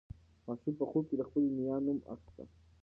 ماشوم په خوب کې د خپلې نیا نوم اخیستی و.